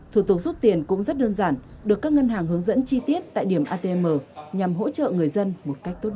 thủ tục rút tiền cũng rất đơn giản được các ngân hàng hướng dẫn chi tiết tại điểm atm nhằm hỗ trợ người dân một cách tốt nhất